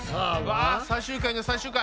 わ最終回の最終回！